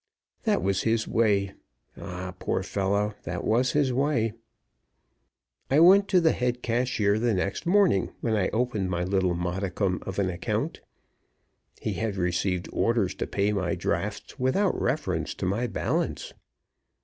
That was his way ah! poor fellow, that was his way. I went to the head cashier the next morning when I opened my little modicum of an account. He had received orders to pay my drafts without reference to my balance.